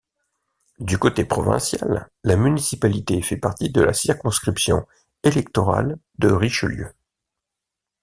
Du côté provincial, la municipalité fait partie de la circonscription électorale de Richelieu.